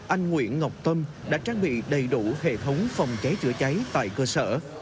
anh nguyễn ngọc tâm đã trang bị đầy đủ hệ thống phòng cháy chữa cháy tại cơ sở